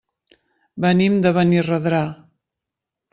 Venim de Benirredrà.